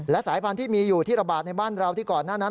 และสายพันธุ์ที่มีอยู่ที่ระบาดในบ้านเราที่ก่อนหน้านั้น